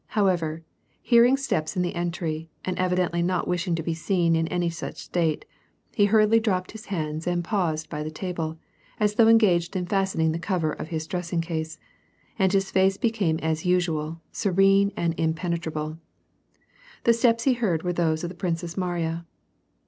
However, hearing steps in the entry, and evidently not wishing to be seen in any such state, he hurriedly dropped his hands and paused by the table, as though engaged in fastening the cover of his dressing case, and his face became as usual, serene and impenetrable. The steps that he heard were those of the Princess Mariya.